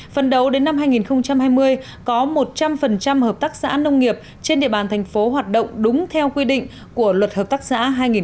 phần đầu đến năm hai nghìn hai mươi có một trăm linh hợp tác xã nông nghiệp trên địa bàn thành phố hoạt động đúng theo quy định của luật hợp tác xã hai nghìn một mươi